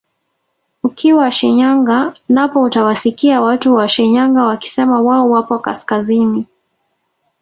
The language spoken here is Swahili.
Ukiwa Shinyanga napo utawasikia watu wa Shinyanga wakisema wao wapo kaskazini